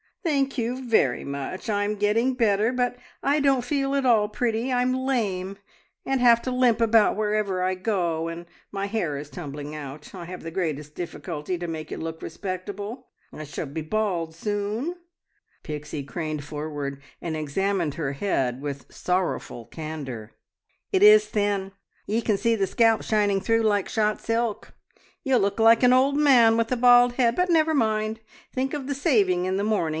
"Thank you very much. I am getting better, but I don't feel at all pretty. I'm lame, and have to limp about wherever I go, and my hair is tumbling out. I have the greatest difficulty to make it look respectable. I shall be bald soon!" Pixie craned forward and examined her head with sorrowful candour. "It is thin! Ye can see the scalp shining through like shot silk. You'll look like an old man with a bald head; but never mind! Think of the saving in the morning!